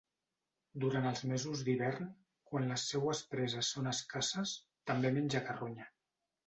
Durant els mesos d'hivern, quan les seues preses són escasses, també menja carronya.